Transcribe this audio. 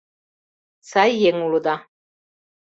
Сай еҥ улыда...